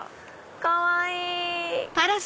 かわいい！